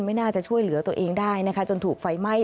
ไม่น่าจะช่วยเหลือตัวเองได้นะคะจนถูกไฟไหม้